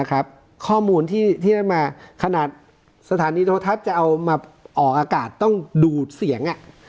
ข้อมูลที่นั่นมาขนาดสถานีโทรทัศน์จะเอามาออกอากาศต้องดูเสียง